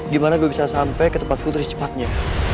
gimana gue bisa sampai ke tempat putri secepatnya